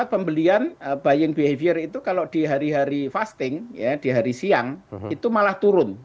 pembelian buying behavior itu kalau di hari hari fasting di hari siang itu malah turun